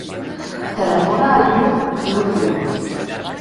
Telefona al Lluc Lucio.